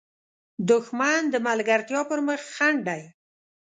دښمن د ملګرتیا پر مخ خنډ دی